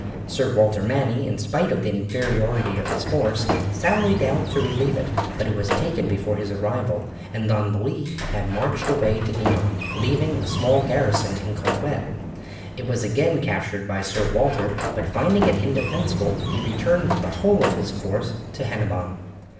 Sir Walter Manny, in spite of the inferiority of his force, sallied out to relieve it, but it was taken before his arrival, and Don Louis had marched away to Dinan, leaving a small garrison in Conquet. It was again captured by Sir Walter, but finding it indefensible he returned with the whole of his force to Hennebon.